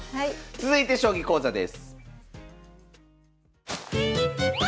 続いて将棋講座です。